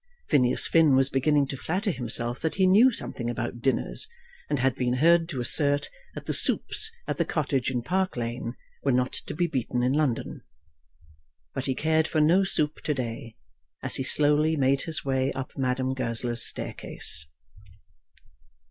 Phineas Finn was beginning to flatter himself that he knew something about dinners, and had been heard to assert that the soups at the cottage in Park Lane were not to be beaten in London. But he cared for no soup to day, as he slowly made his way up Madame Goesler's staircase.